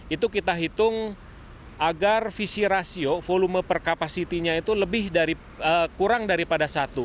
itu kita hitung agar visi rasio volume per kapasitinya itu kurang daripada satu